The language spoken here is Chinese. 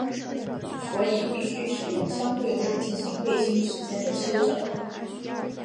所以必须使用相对论进行卫星时间的修正。